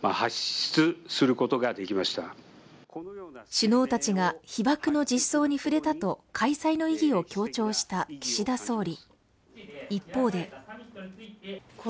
首脳たちが被爆の実相に触れたと開催の意義を強調した岸田総理。